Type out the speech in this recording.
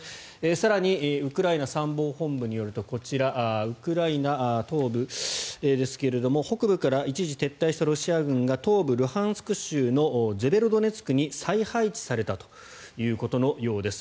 更にウクライナ参謀本部によるとこちらウクライナ東部ですけれど北部から一時撤退したロシア軍が東部ルハンシク州のセベロドネツクに再配置されたということのようです。